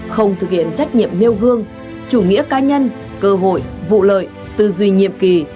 không thực hiện trách nhiệm nêu gương chủ nghĩa cá nhân cơ hội vụ lợi tư duy nhiệm kỳ